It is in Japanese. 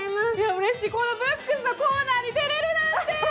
うれしい、ブックのコーナーに出られるなんてー！